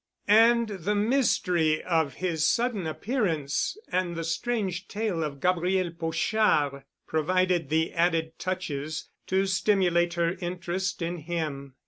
And the mystery of his sudden appearance and the strange tale of Gabriel Pochard provided the added touches to stimulate her interest in him.